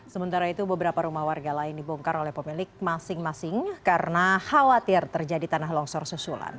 sementara itu beberapa rumah warga lain dibongkar oleh pemilik masing masing karena khawatir terjadi tanah longsor susulan